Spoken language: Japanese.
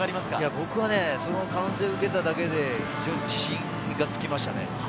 僕は歓声を受けただけで自信がつきましたね。